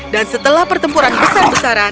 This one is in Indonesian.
dan setelah pertempuran besar besaran